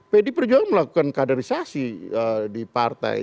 pdi perjualan melakukan kandilisasi di partai